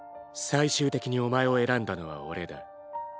⁉最終的にお前を選んだのは俺だ。